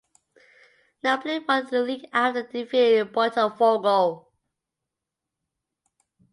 Napoli won the league after defeating Botafogo.